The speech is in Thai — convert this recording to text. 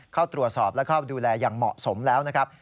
เข้าตรวจสอบและเข้าดูแลอย่างเหมาะสมแล้วนะครับ